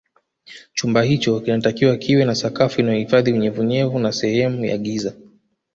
Chumba hicho kinatakiwa kiwe na sakafu inayohifadhi unyevunyevu na sehemu ya giza